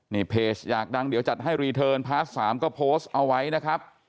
นี่เพจอยากดังเดี๋ยวจัดให้รีเทิร์นพาร์ท๓ก็โพสต์เอาไว้นะครับ